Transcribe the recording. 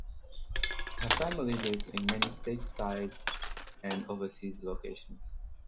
Her family lived in many stateside and overseas locations.